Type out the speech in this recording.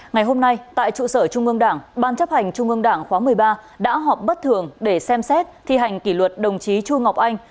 ngày hôm nay tại trụ sở trung ương đảng ban chấp hành trung ương đảng khóa một mươi ba đã họp bất thường để xem xét thi hành kỷ luật đồng chí chu ngọc anh